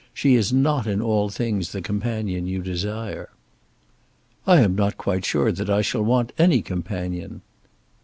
She is not in all things the companion you desire." "I am not quite sure that I shall want any companion."